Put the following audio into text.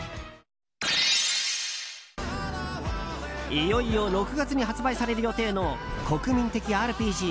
いよいよ６月に発売される予定の国民的ＲＰＧ